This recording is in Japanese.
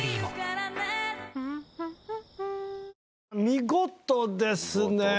見事ですね。